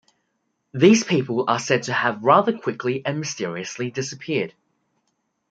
These people are said to have rather quickly and mysteriously disappeared.